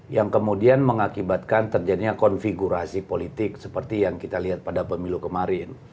yang kemudian mengakibatkan terjadinya konfigurasi politik seperti yang kita lihat pada pemilu kemarin